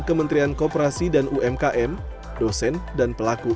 kementerian kooperasi dan umkm dosen dan pelaku